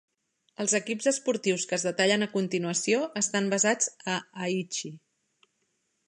Els equips esportius que es detallen a continuació estan basats a Aichi.